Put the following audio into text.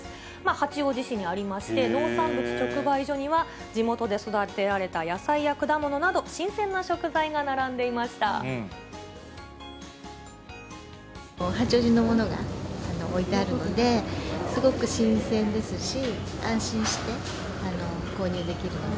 八王子市にありまして、農産物直売所には、地元で育てられた野菜や果物など、八王子のものが置いてあるので、すごく新鮮ですし、安心して購入できるので。